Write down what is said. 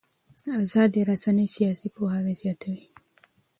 ازادې رسنۍ سیاسي پوهاوی زیاتوي